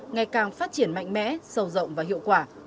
ngày càng phát triển mạnh mẽ sâu rộng và hiệu quả